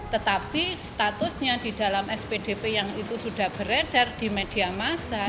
tetapi statusnya di dalam spdp yang itu sudah beredar di media masa